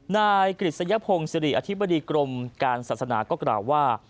นายกฤษยพงศิริอธิบดีกรมการศาสนาก็กล่าวว่า